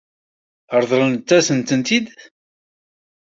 Ṛeḍlent-asen-tent-id?